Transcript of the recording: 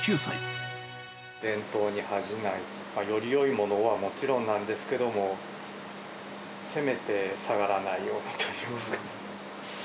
伝統に恥じない、よりよいものはもちろんなんですけども、せめて下がらないようなと言いますか。